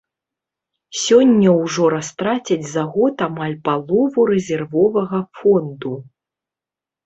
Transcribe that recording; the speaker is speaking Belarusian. Сёння ўжо растрацяць за год амаль палову рэзервовага фонду.